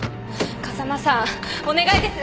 風間さんお願いです